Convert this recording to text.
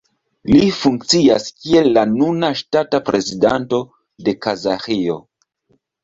Li funkcias kiel la nuna ŝtata prezidanto de Kazaĥio.